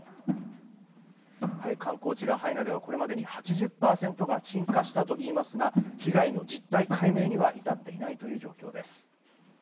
観光地ラハイナではこれまでに８０％が鎮火したといいますが被害の実態解明には至っていないという状況です。